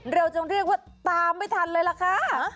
เราจึงเรียกว่าตามไม่ทันเลยล่ะค่ะ